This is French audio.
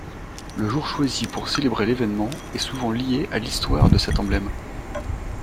Le jour choisi pour célébrer l'évènement est souvent lié à l'histoire de cet emblème.